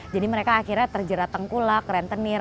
jadi mereka akhirnya terjerat tengkul lah keren tenir